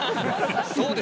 そうですね。